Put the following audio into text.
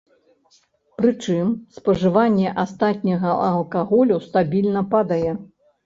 Прычым, спажыванне астатняга алкаголю стабільна падае.